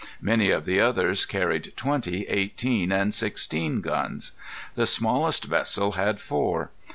Many of the others carried twenty, eighteen, and sixteen guns. The smallest vessel had four.